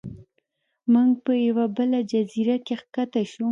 موږ په یوه بله جزیره کې ښکته شو.